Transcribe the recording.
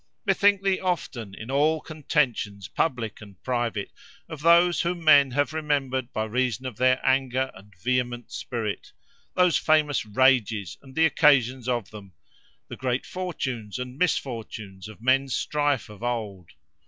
"Bethink thee often, in all contentions public and private, of those whom men have remembered by reason of their anger and vehement spirit—those famous rages, and the occasions of them—the great fortunes, and misfortunes, of men's strife of old.